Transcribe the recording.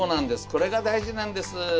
これが大事なんです！